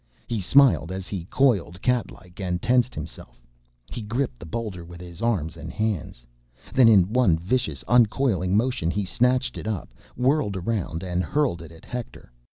He smiled as he coiled, catlike, and tensed himself. He gripped the boulder with his arms and hands. Then in one vicious uncoiling motion he snatched it up, whirled around, and hurled it at Hector.